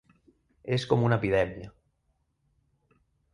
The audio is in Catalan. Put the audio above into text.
És com una epidèmia.